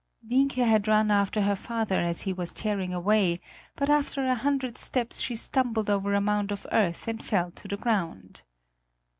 Wienke had run after her father as he was tearing away; but after a hundred steps she stumbled over a mound of earth and fell to the ground.